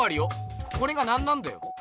これが何なんだよ？